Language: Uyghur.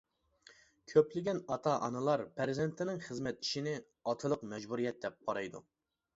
كۆپلىگەن ئاتا-ئانىلار پەرزەنتىنىڭ خىزمەت ئىشىنى ئاتىلىق مەجبۇرىيەت دەپ قارايدۇ.